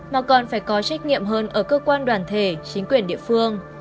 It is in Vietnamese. mà còn phải có trách nhiệm hơn ở cơ quan đoàn thể chính quyền địa phương